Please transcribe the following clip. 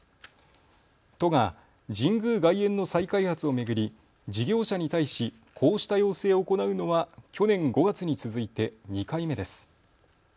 都が神宮外苑の再開発を巡り事業者に対しこうした要請を行うのは去年５月に続いて２回目です。